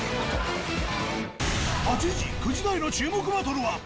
８時、９時台の注目バトルは。